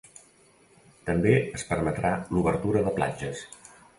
També es permetrà l’obertura de platges.